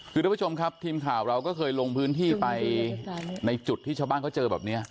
คือทุกผู้ชมครับทีมข่าวเราก็เคยลงพื้นที่ไปในจุดที่ชาวบ้านเขาเจอแบบนี้